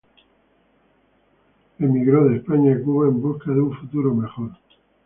Emigró de España a Cuba en busca de un mejor futuro.